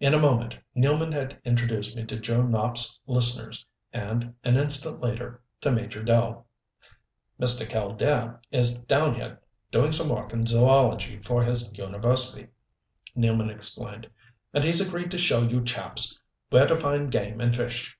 In a moment Nealman had introduced me to Joe Nopp's listeners and, an instant later, to Major Dell. "Mr. Killdare is down here doing some work in zoology for his university," Nealman explained, "and he's agreed to show you chaps where to find game and fish.